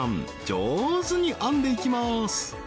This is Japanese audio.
上手に編んでいきます